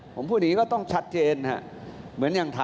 ผมพูดอย่างนี้ก็ต้องชัดเจน